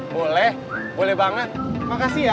boleh boleh banget terima kasih ya